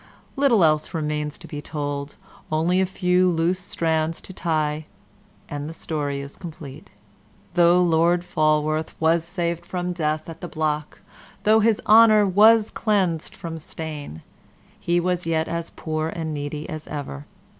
Little else remains to be told; only a few loose strands to tie, and the story is complete. Though Lord Falworth was saved from death at the block, though his honor was cleansed from stain, he was yet as poor and needy as ever.